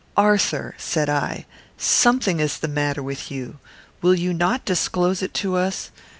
"Arthur," said I, "something is the matter with you. Will you not disclose it to us?